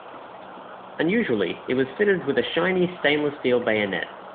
Unusually, it was fitted with a shiny stainless steel bayonet.